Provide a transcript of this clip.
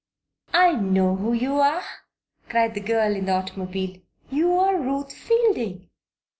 "I know who you are!" cried the girl in the automobile. "You are Ruth Fielding."